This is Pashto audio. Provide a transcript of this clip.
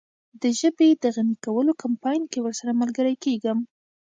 د ژبې د غني کولو کمپاین کې ورسره ملګری کیږم.